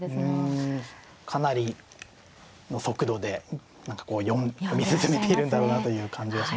うんかなりの速度で読み進めているんだろうなという感じがしますね。